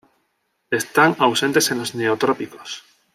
Están ausentes en los Neotrópicos.